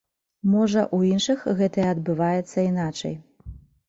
Можа, у іншых гэтае адбываецца іначай.